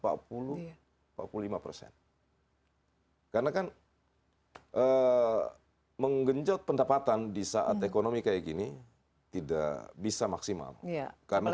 karena kan menggenjot pendapatan di saat ekonomi kayak gini tidak bisa maksimal